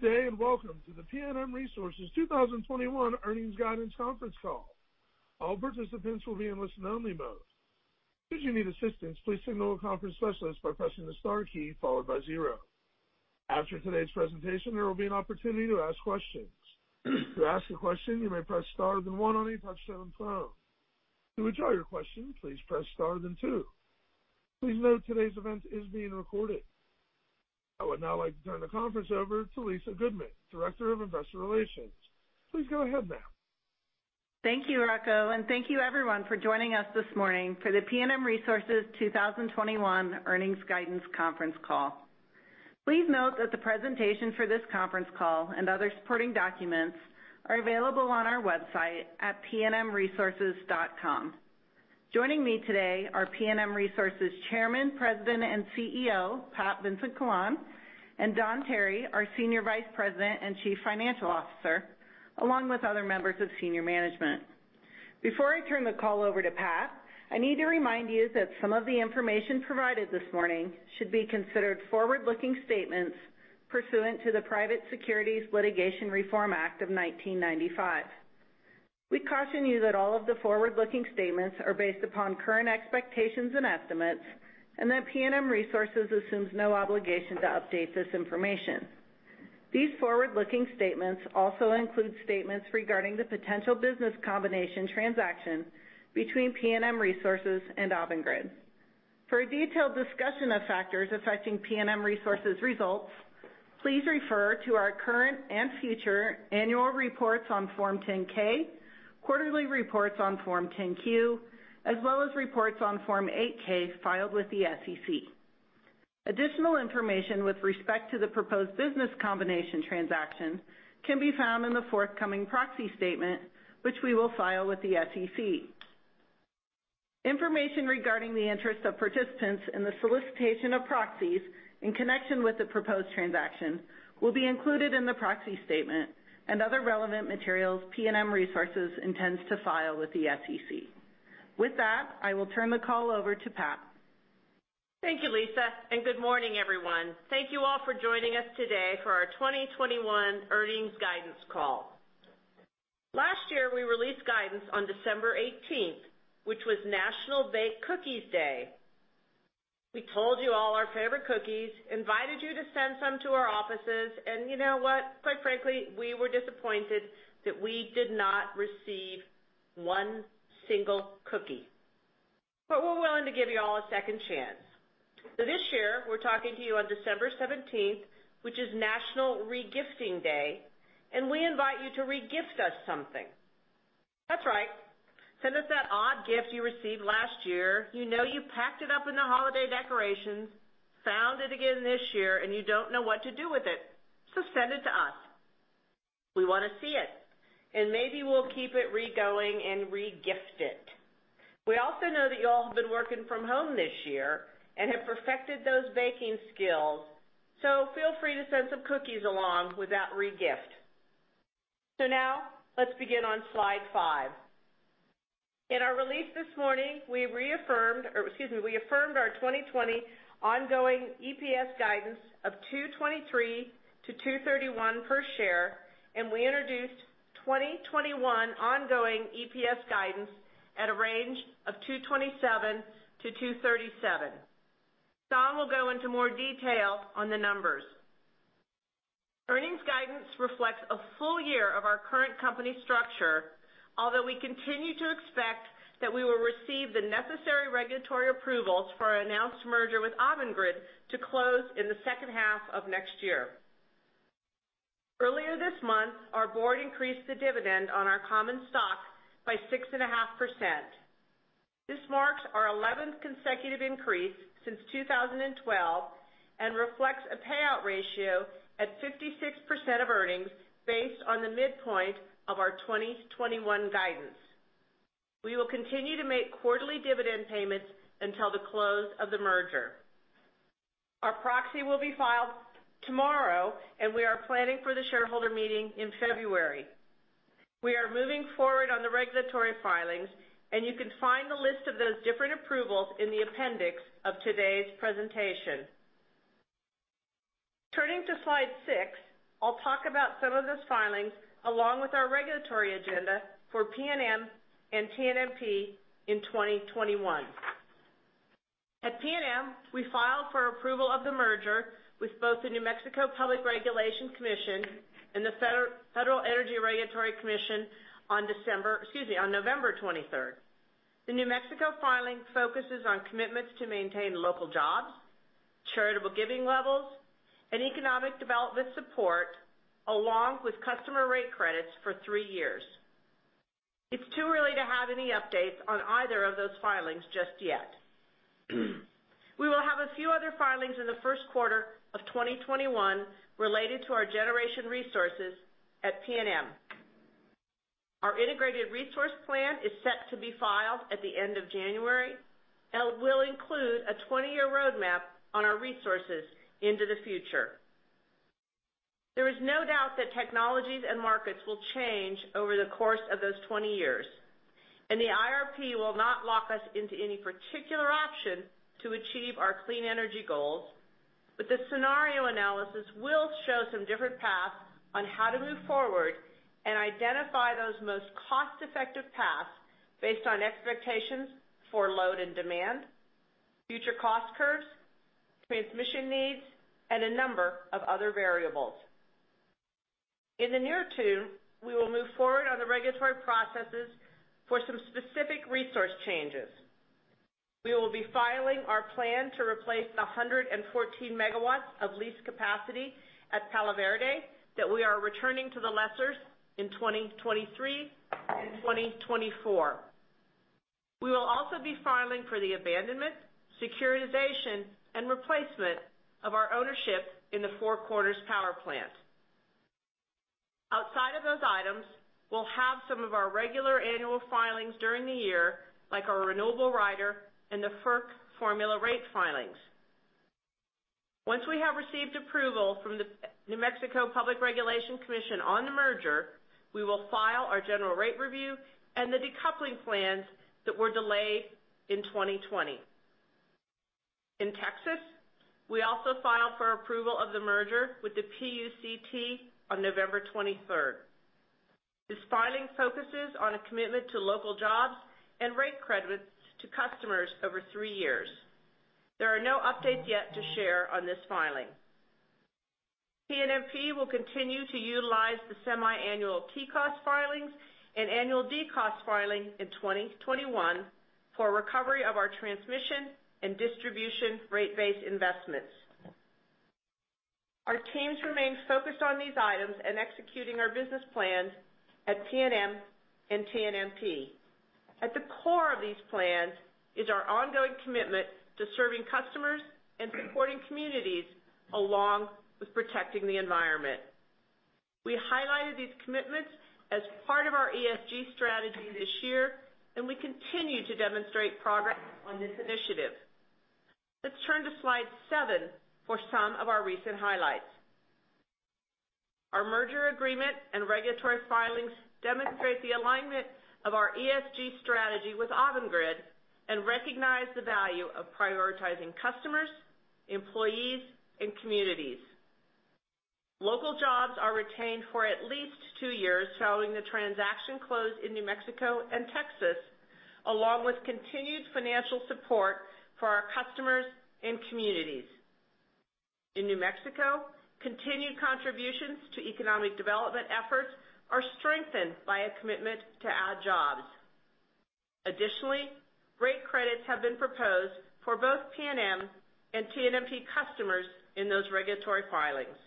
Good day, and welcome to the PNM Resources 2021 Earnings Guidance Conference Call. All participants will be in listen-only mode. If you need assistance, please signal a conference specialist by pressing the star key followed by zero. After today's presentation, there will be an opportunity to ask questions. To ask a question, you may press star then one on your touch-tone phone. To withdraw your question, please press star then two. Please note today's event is being recorded. I would now like to turn the conference over to Lisa Goodman, Director of Investor Relations. Please go ahead, ma'am. Thank you, Rocco. Thank you everyone for joining us this morning for the PNM Resources 2021 Earnings Guidance Conference Call. Please note that the presentation for this conference call and other supporting documents are available on our website at pnmresources.com. Joining me today are PNM Resources Chairman, President, and CEO, Pat Collawn, and Don Tarry, our Senior Vice President and Chief Financial Officer, along with other members of senior management. Before I turn the call over to Pat, I need to remind you that some of the information provided this morning should be considered forward-looking statements pursuant to the Private Securities Litigation Reform Act of 1995. We caution you that all of the forward-looking statements are based upon current expectations and estimates, and that PNM Resources assumes no obligation to update this information. These forward-looking statements also include statements regarding the potential business combination transaction between PNM Resources and Avangrid. For a detailed discussion of factors affecting PNM Resources results, please refer to our current and future annual reports on Form 10-K, quarterly reports on Form 10-Q, as well as reports on Form 8-K filed with the SEC. Additional information with respect to the proposed business combination transaction can be found in the forthcoming proxy statement, which we will file with the SEC. Information regarding the interest of participants in the solicitation of proxies in connection with the proposed transaction will be included in the proxy statement and other relevant materials PNM Resources intends to file with the SEC. With that, I will turn the call over to Pat. Thank you, Lisa, and good morning, everyone. Thank you all for joining us today for our 2021 earnings guidance call. Last year, we released guidance on December 18th, which was National Bake Cookies Day. We told you all our favorite cookies, invited you to send some to our offices, and you know what? Quite frankly, we were disappointed that we did not receive one single cookie. We're willing to give you all a second chance. This year, we're talking to you on December 17th, which is National Regifting Day, and we invite you to regift us something. That's right. Send us that odd gift you received last year. You know you packed it up in the holiday decorations, found it again this year, and you don't know what to do with it. Send it to us. We want to see it, and maybe we'll keep it regoing and regift it. We also know that you all have been working from home this year and have perfected those baking skills, so feel free to send some cookies along with that regift. Now, let's begin on Slide five. In our release this morning, we reaffirmed, or excuse me, we affirmed our 2020 ongoing EPS guidance of $2.23-$2.31 per share, and we introduced 2021 ongoing EPS guidance at a range of $2.27-$2.37. Don will go into more detail on the numbers. Earnings guidance reflects a full-year of our current company structure, although we continue to expect that we will receive the necessary regulatory approvals for our announced merger with Avangrid to close in the second half of next year. Earlier this month, our board increased the dividend on our common stock by 6.5%. This marks our 11th consecutive increase since 2012 and reflects a payout ratio at 56% of earnings based on the midpoint of our 2021 guidance. We will continue to make quarterly dividend payments until the close of the merger. Our proxy will be filed tomorrow, and we are planning for the shareholder meeting in February. We are moving forward on the regulatory filings, and you can find the list of those different approvals in the appendix of today's presentation. Turning to Slide six, I'll talk about some of those filings along with our regulatory agenda for PNM and TNMP in 2021. At PNM, we filed for approval of the merger with both the New Mexico Public Regulation Commission and the Federal Energy Regulatory Commission on December, excuse me, on November 23rd. The New Mexico filing focuses on commitments to maintain local jobs, charitable giving levels, and economic development support, along with customer rate credits for three years. It's too early to have any updates on either of those filings just yet. We will have a few other filings in the first quarter of 2021 related to our generation resources at PNM. Our Integrated Resource Plan is set to be filed at the end of January, and it will include a 20-year roadmap on our resources into the future. There is no doubt that technologies and markets will change over the course of those 20 years. The IRP will not lock us into any particular option to achieve our clean energy goals. The scenario analysis will show some different paths on how to move forward and identify those most cost-effective paths based on expectations for load and demand, future cost curves, transmission needs, and a number of other variables. In the near term, we will move forward on the regulatory processes for some specific resource changes. We will be filing our plan to replace 114 megawatts of leased capacity at Palo Verde that we are returning to the lessors in 2023 and 2024. We will also be filing for the abandonment, securitization, and replacement of our ownership in the Four Corners Power Plant. Outside of those items, we'll have some of our regular annual filings during the year, like our renewable rider and the FERC Formula Rate filings. Once we have received approval from the New Mexico Public Regulation Commission on the merger, we will file our general rate review and the decoupling plans that were delayed in 2020. In Texas, we also filed for approval of the merger with the PUCT on November 23rd. This filing focuses on a commitment to local jobs and rate credits to customers over three years. There are no updates yet to share on this filing. PNM will continue to utilize the semiannual TCOS filings and annual DCOS filing in 2021 for recovery of our transmission and distribution rate base investments. Our teams remain focused on these items and executing our business plans at PNM and TNMP. At the core of these plans is our ongoing commitment to serving customers and supporting communities, along with protecting the environment. We highlighted these commitments as part of our ESG strategy this year, and we continue to demonstrate progress on this initiative. Let's turn to Slide seven for some of our recent highlights. Our merger agreement and regulatory filings demonstrate the alignment of our ESG strategy with Avangrid and recognize the value of prioritizing customers, employees, and communities. Local jobs are retained for at least two years following the transaction close in New Mexico and Texas, along with continued financial support for our customers and communities. In New Mexico, continued contributions to economic development efforts are strengthened by a commitment to add jobs. Additionally, rate credits have been proposed for both PNM and TNMP customers in those regulatory filings.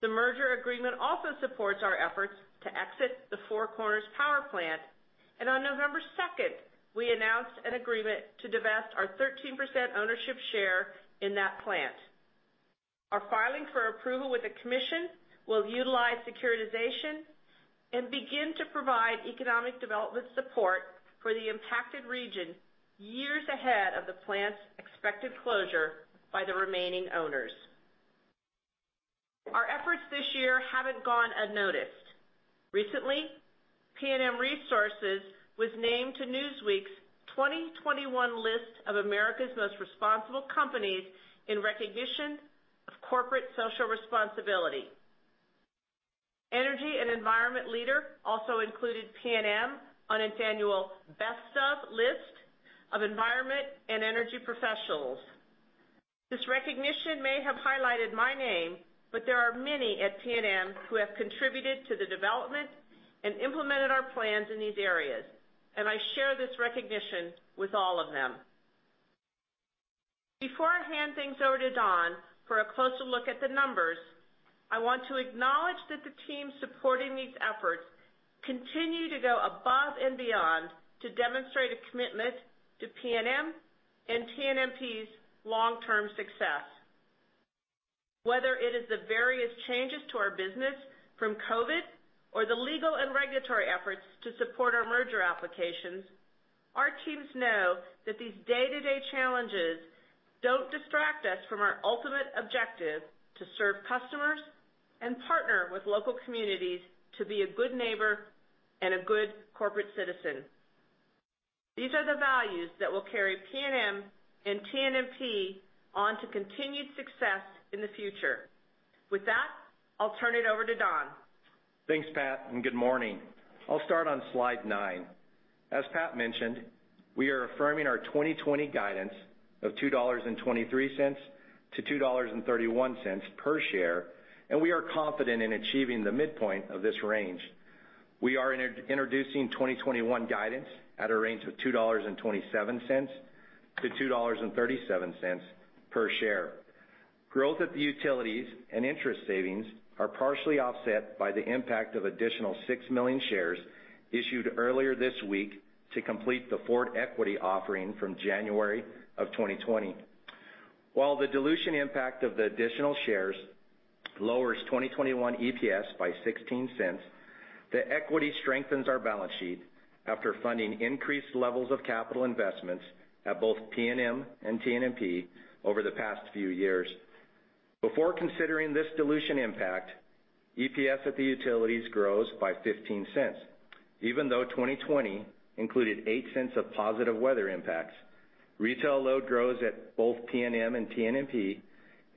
The merger agreement also supports our efforts to exit the Four Corners Power Plant, and on November 2nd, we announced an agreement to divest our 13% ownership share in that plant. Our filing for approval with the commission will utilize securitization and begin to provide economic development support for the impacted region years ahead of the plant's expected closure by the remaining owners. Our efforts this year haven't gone unnoticed. Recently, PNM Resources was named to Newsweek's 2021 list of America's most responsible companies in recognition of corporate social responsibility. Environment+Energy Leader also included PNM on its annual Best Of List of environment and energy professionals. This recognition may have highlighted my name, but there are many at PNM who have contributed to the development and implemented our plans in these areas. I share this recognition with all of them. Before I hand things over to Don for a closer look at the numbers, I want to acknowledge that the team supporting these efforts continue to go above and beyond to demonstrate a commitment to PNM and TNMP's long-term success. Whether it is the various changes to our business from COVID or the legal and regulatory efforts to support our merger applications, our teams know that these day-to-day challenges don't distract us from our ultimate objective to serve customers and partner with local communities to be a good neighbor and a good corporate citizen. These are the values that will carry PNM and TNMP onto continued success in the future. With that, I'll turn it over to Don. Thanks, Pat. Good morning. I'll start on Slide nine. As Pat mentioned, we are affirming our 2020 guidance of $2.23-$2.31 per share, and we are confident in achieving the midpoint of this range. We are introducing 2021 guidance at a range of $2.27-$2.37 per share. Growth at the utilities and interest savings are partially offset by the impact of additional 6 million shares issued earlier this week to complete the forward equity offering from January of 2020. While the dilution impact of the additional shares lowers 2021 EPS by $0.16, the equity strengthens our balance sheet after funding increased levels of capital investments at both PNM and TNMP over the past few years. Before considering this dilution impact, EPS at the utilities grows by $0.15. Even though 2020 included $0.08 of positive weather impacts, retail load grows at both PNM and TNMP,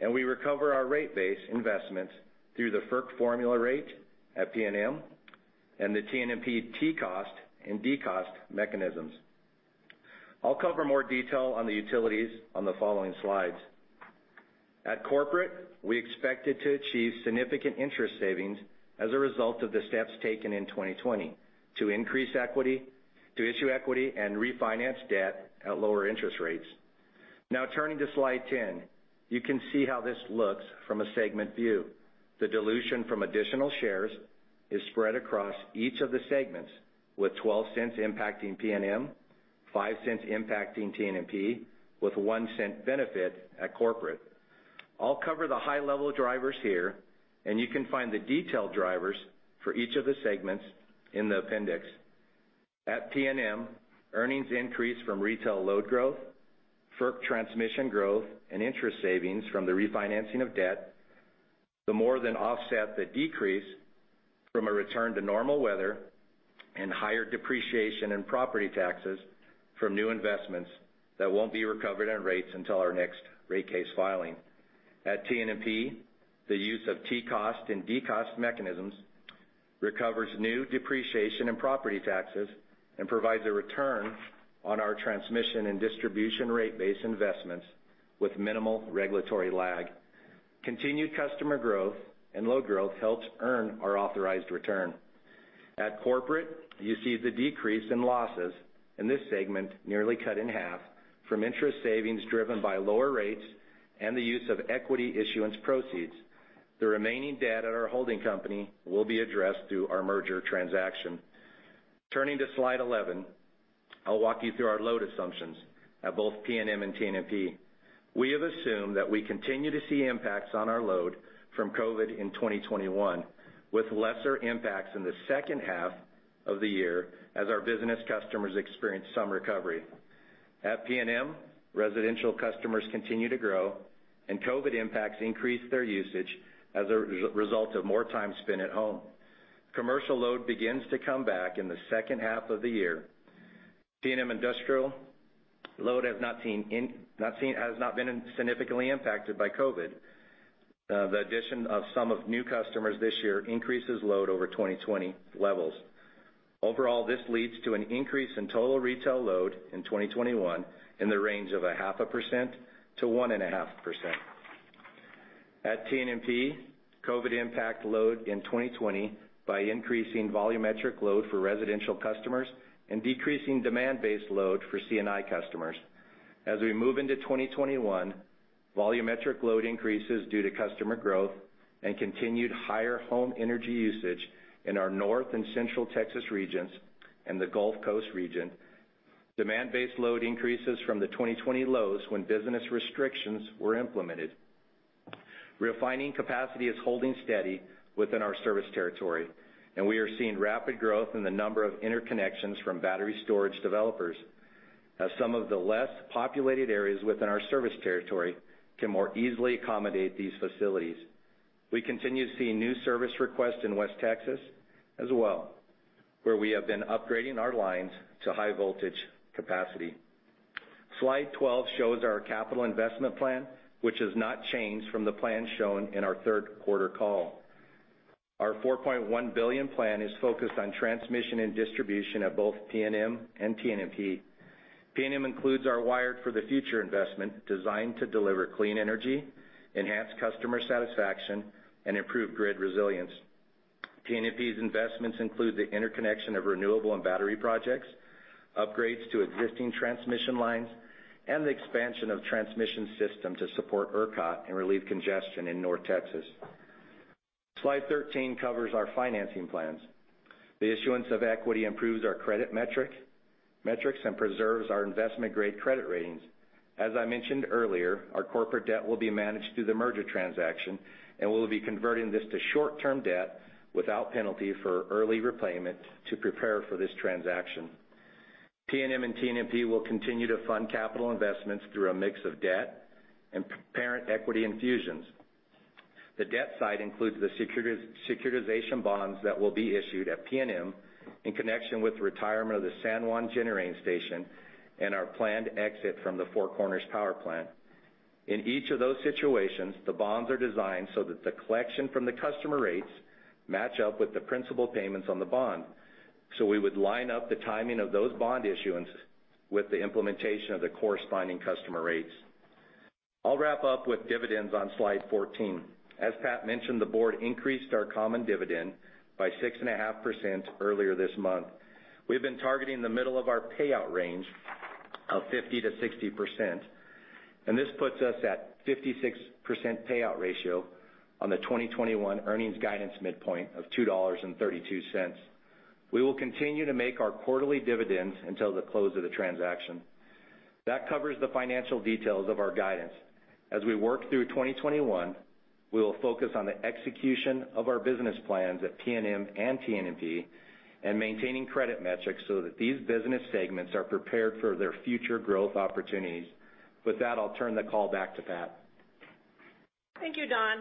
and we recover our rate base investments through the FERC Formula Rate at PNM and the TNMP TCOS and DCOS mechanisms. I'll cover more detail on the utilities on the following slides. At corporate, we expected to achieve significant interest savings as a result of the steps taken in 2020 to increase equity, to issue equity, and refinance debt at lower interest rates. Turning to Slide 10, you can see how this looks from a segment view. The dilution from additional shares is spread across each of the segments, with $0.12 impacting PNM, $0.05 impacting TNMP, with $0.01 benefit at corporate. I'll cover the high-level drivers here, and you can find the detailed drivers for each of the segments in the appendix. At PNM, earnings increase from retail load growth, FERC transmission growth, and interest savings from the refinancing of debt, to more than offset the decrease from a return to normal weather and higher depreciation in property taxes from new investments that won't be recovered on rates until our next rate case filing. At TNMP, the use of TCOS and DCOS mechanisms recovers new depreciation and property taxes and provides a return on our transmission and distribution rate base investments with minimal regulatory lag. Continued customer growth and load growth helps earn our authorized return. At corporate, you see the decrease in losses in this segment nearly cut in half from interest savings driven by lower rates and the use of equity issuance proceeds. The remaining debt at our holding company will be addressed through our merger transaction. Turning to Slide 11, I'll walk you through our load assumptions at both PNM and TNMP. We have assumed that we continue to see impacts on our load from COVID in 2021, with lesser impacts in the second half of the year as our business customers experience some recovery. At PNM, residential customers continue to grow, and COVID impacts increase their usage as a result of more time spent at home. Commercial load begins to come back in the second half of the year. PNM industrial load has not been significantly impacted by COVID. The addition of some of new customers this year increases load over 2020 levels. Overall, this leads to an increase in total retail load in 2021 in the range of 0.5%-1.5%. At TNMP, COVID impacted load in 2020 by increasing volumetric load for residential customers and decreasing demand-based load for C&I customers. As we move into 2021, volumetric load increases due to customer growth and continued higher home energy usage in our North and Central Texas regions and the Gulf Coast region. Demand-based load increases from the 2020 lows when business restrictions were implemented. Refining capacity is holding steady within our service territory, and we are seeing rapid growth in the number of interconnections from battery storage developers, as some of the less populated areas within our service territory can more easily accommodate these facilities. We continue to see new service requests in West Texas as well, where we have been upgrading our lines to high-voltage capacity. Slide 12 shows our capital investment plan, which has not changed from the plan shown in our third quarter call. Our $4.1 billion plan is focused on transmission and distribution at both PNM and TNMP. PNM includes our Wired for the Future investment, designed to deliver clean energy, enhance customer satisfaction, and improve grid resilience. TNMP's investments include the interconnection of renewable and battery projects, upgrades to existing transmission lines, and the expansion of transmission system to support ERCOT and relieve congestion in North Texas. Slide 13 covers our financing plans. The issuance of equity improves our credit metrics and preserves our investment-grade credit ratings. As I mentioned earlier, our corporate debt will be managed through the merger transaction, and we'll be converting this to short-term debt without penalty for early repayment to prepare for this transaction. PNM and TNMP will continue to fund capital investments through a mix of debt and parent equity infusions. The debt side includes the securitization bonds that will be issued at PNM in connection with the retirement of the San Juan Generating Station and our planned exit from the Four Corners Power Plant. In each of those situations, the bonds are designed so that the collection from the customer rates match up with the principal payments on the bond. We would line up the timing of those bond issuance with the implementation of the corresponding customer rates. I'll wrap up with dividends on Slide 14. As Pat mentioned, the board increased our common dividend by 6.5% earlier this month. We have been targeting the middle of our payout range of 50%-60%, and this puts us at 56% payout ratio on the 2021 earnings guidance midpoint of $2.32. We will continue to make our quarterly dividends until the close of the transaction. That covers the financial details of our guidance. As we work through 2021, we will focus on the execution of our business plans at PNM and TNMP and maintaining credit metrics so that these business segments are prepared for their future growth opportunities. With that, I'll turn the call back to Pat. Thank you, Don.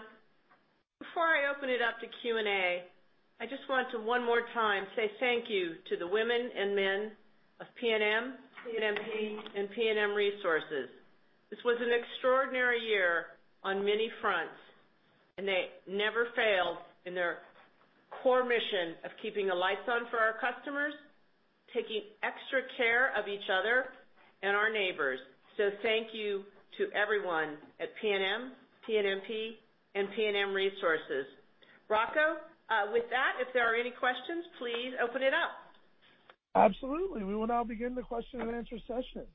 Before I open it up to Q&A, I just want to, one more time, say thank you to the women and men of PNM, TNMP, and PNM Resources. This was an extraordinary year on many fronts, and they never failed in their core mission of keeping the lights on for our customers, taking extra care of each other and our neighbors. Thank you to everyone at PNM, TNMP, and PNM Resources. Rocco, with that, if there are any questions, please open it up. Absolutely. We will now begin the question-and-answer session.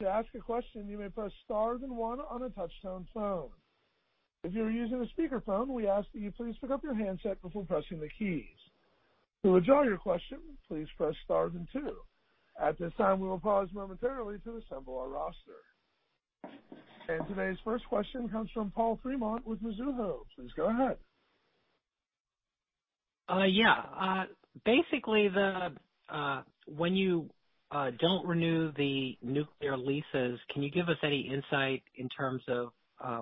To ask a question, you may press star then one on a touch-tone phone. If you're using a speakerphone, we ask that you please pick up your handset before pressing the keys. To withdraw your question, please press star then two. At this time, we will pause momentarily to assemble our roster. Today's first question comes from Paul Fremont with Mizuho. Please go ahead. Basically, when you don't renew the nuclear leases, can you give us any insight in terms of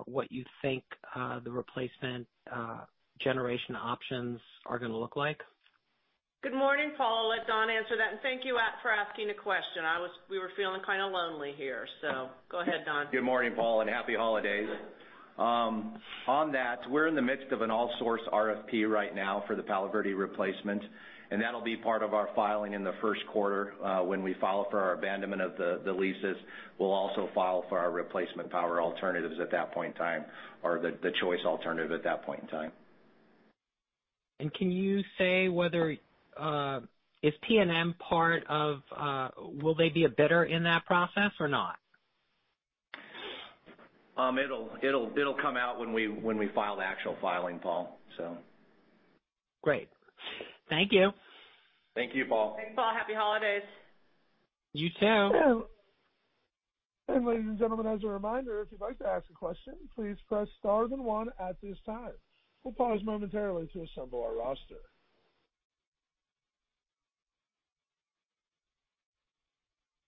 what you think the replacement generation options are going to look like? Good morning, Paul. I'll let Don answer that, and thank you for asking a question. We were feeling kind of lonely here, so go ahead, Don. Good morning, Paul, and happy holidays. On that, we're in the midst of an all source RFP right now for the Palo Verde replacement, and that'll be part of our filing in the first quarter. When we file for our abandonment of the leases, we'll also file for our replacement power alternatives at that point in time, or the choice alternative at that point in time. Can you say whether, will they be a bidder in that process or not? It'll come out when we file the actual filing, Paul. Great. Thank you. Thank you, Paul. Thanks, Paul. Happy holidays. You too. And ladies and gentlemen, as a reminder, if you'd like to ask a question, please press star then one at this time. We'll pause momentarily to assemble our roster.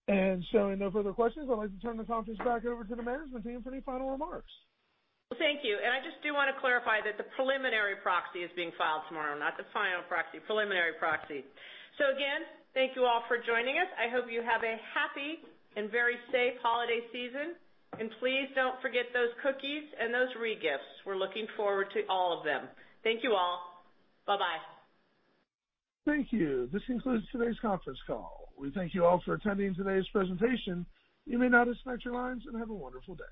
And showing no further questions, I'd like to turn the conference back over to the management team for any final remarks. Thank you. I just do want to clarify that the preliminary proxy is being filed tomorrow, not the final proxy, preliminary proxy. Again, thank you all for joining us. I hope you have a happy and very safe holiday season. Please don't forget those cookies and those regifts. We're looking forward to all of them. Thank you all. Bye-bye. Thank you. This concludes today's conference call. We thank you all for attending today's presentation. You may now disconnect your lines, and have a wonderful day.